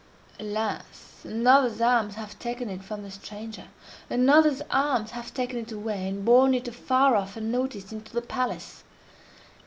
Alas! another's arms have taken it from the stranger—another's arms have taken it away, and borne it afar off, unnoticed, into the palace!